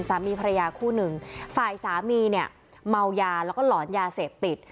สามีพระยาขู่หนึ่งฝ่ายสามีเหมายาและหลอนยาเสพติด